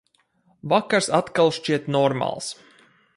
Vakars atkal šķiet normāls.